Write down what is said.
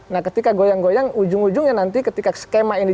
nah ketika goyang goyang ujung ujungnya nanti ketika skema ini